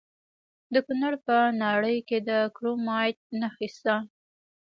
د کونړ په ناړۍ کې د کرومایټ نښې شته.